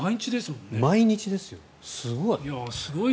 毎日です、すごい。